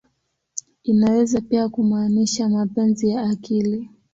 Inaweza pia kumaanisha "mapenzi ya akili.